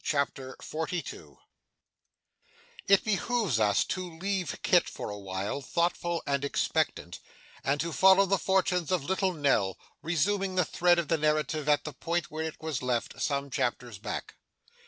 CHAPTER 42 It behoves us to leave Kit for a while, thoughtful and expectant, and to follow the fortunes of little Nell; resuming the thread of the narrative at the point where it was left, some chapters back.